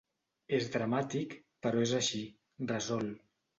És dramàtic, però és així, resol.